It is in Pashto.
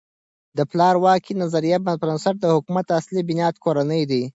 د پلار واکۍ نظریه پر بنسټ د حکومت اصل بنیاد کورنۍ ده.